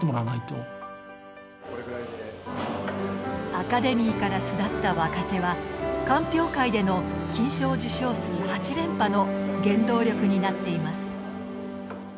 アカデミーから巣立った若手は鑑評会での金賞受賞数８連覇の原動力になっています。